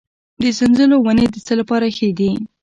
د سنځلو ونې د څه لپاره ښې دي؟